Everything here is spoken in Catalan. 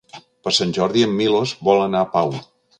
Per Sant Jordi en Milos vol anar a Pau.